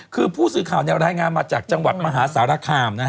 คือผู้ซื้อข่าวได้รายงานมาจากจังหวัดมหาศาลคาม